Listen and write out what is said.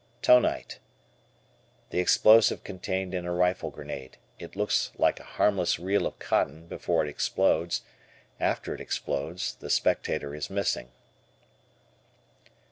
Tonite. The explosive contained in a rifle grenade. It looks like a harmless reel of cotton before it explodes, after it explodes the spectator is missing.